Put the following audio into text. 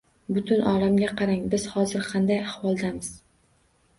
Butun olamga qarang, biz hozir qanday ahvoldamiz?